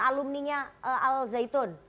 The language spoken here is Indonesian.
alumni nya al zaitun